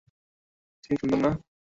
ঠিক সুন্দর না।